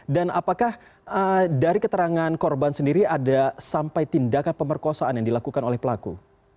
dan apakah dari keterangan korban sendiri ada sampai tindakan pemerkosaan yang dilakukan oleh pelaku